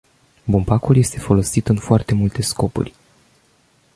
Bumbacul este folosit în foarte multe scopuri.